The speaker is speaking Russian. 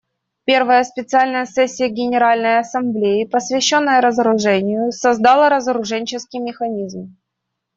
Первая специальная сессия Генеральной Ассамблеи, посвященная разоружению, создала разоруженческий механизм.